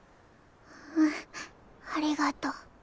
うんありがとう。